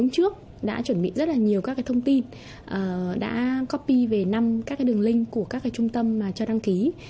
chị hà đã chuẩn bị rất là nhiều các thông tin đã copy về năm các đường link của các trung tâm cho đăng ký